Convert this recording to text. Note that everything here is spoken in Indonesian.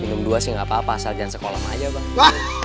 minum dua sih gak apa apa asal jangan sekolah lama aja bang